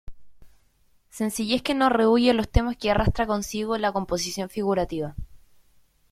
Sencillez que no rehúye los temas que arrastran consigo la composición figurativa.